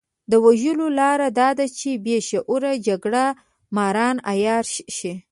د وژلو لاره دا ده چې بې شعوره جګړه ماران عيار شي.